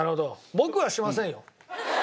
僕はしませんよ。